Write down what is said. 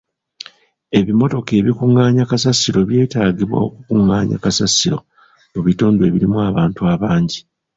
Ebimmotoka ebikungaanya kasasiro by'etaagibwa okukungaanya kasasiro mu bitundu ebirimu abantu abangi.